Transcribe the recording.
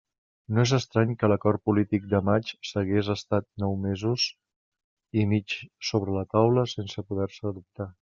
No és estrany que l'acord polític de maig s'hagués estat nou mesos i mig sobre la taula sense poder-se adoptar.